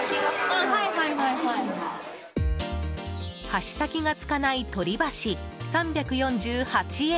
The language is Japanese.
箸先がつかない取り箸３４８円。